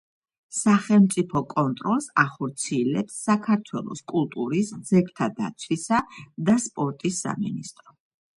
სახელმწიფო კონტროლს ახორციელებს საქართველოს კულტურის, ძეგლთა დაცვისა და სპორტის სამინისტრო.